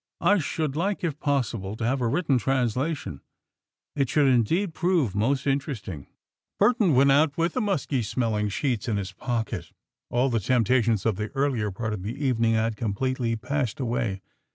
I should like, if possible, to have a written translation. It should indeed prove most interesting." Burton went out with the musky smelling sheets in his pocket. All the temptations of the earlier part of the evening had completely passed away.